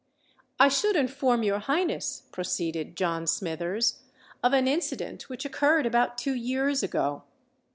"I should inform your Highness," proceeded John Smithers, "of an incident which occurred about two years ago.